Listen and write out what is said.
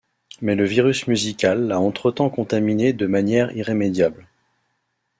Mais le virus musical l’a entre-temps contaminé de manière irrémédiable.